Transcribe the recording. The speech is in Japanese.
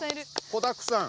子だくさん。